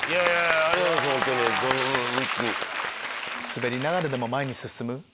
「スベりながらでも前に進む」。